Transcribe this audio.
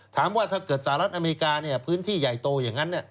ถ้าเกิดสหรัฐอเมริกาพื้นที่ใหญ่โตอย่างนั้น